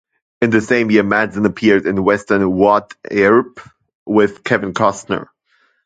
In the same year Madsen appeared in western "Wyatt Earp" with Kevin Costner.